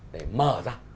để mở ra